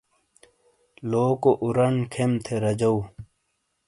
لوکو اورنڈ کھیم تھے راجو۔